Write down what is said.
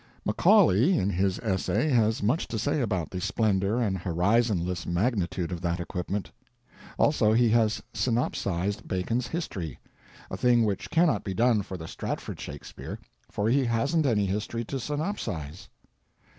Macaulay, in his Essay, has much to say about the splendor and horizonless magnitude of that equipment. Also, he has synopsized Bacon's history—a thing which cannot be done for the Stratford Shakespeare, for he hasn't any history to synopsize.